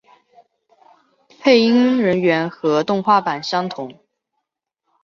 配音人员和动画版相同。